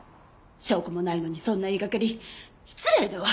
証拠もないのにそんな言いがかり失礼だわ！